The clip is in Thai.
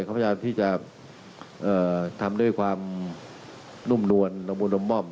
เขาพยายามที่จะทำด้วยความนุ่มนวลนมวนลมม่อม